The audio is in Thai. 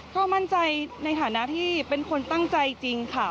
ก็มั่นใจในฐานะที่เป็นคนตั้งใจจริงค่ะ